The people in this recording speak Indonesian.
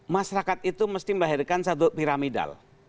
masyarakat itu mesti melahirkan satu piramidal